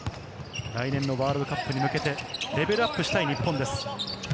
来年のワールドカップに向けてレベルアップしたい日本です。